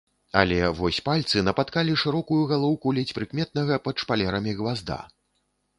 Але вось пальцы напаткалі шырокую галоўку ледзь прыкметнага пад шпалерамі гвазда.